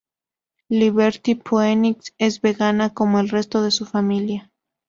Liberty Phoenix es vegana como el resto de su familia.